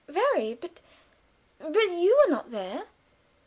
"Very, but but you were not there?"